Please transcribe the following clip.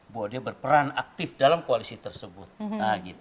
bahwa dia berperan aktif dalam koalisi tersebut nah gitu